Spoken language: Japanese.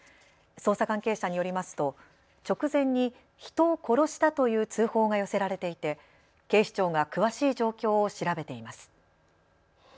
捜査関係者によりますと直前に人を殺したという通報が寄せられていて警視庁が詳しい状況を調べています。